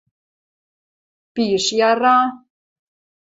Пиш яра.